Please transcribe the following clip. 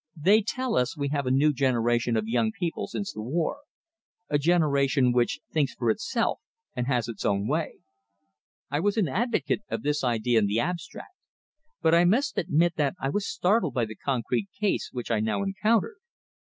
They tell us that we have a new generation of young people since the war; a generation which thinks for itself, and has its own way. I was an advocate of this idea in the abstract, but I must admit that I was startled by the concrete case which I now encountered.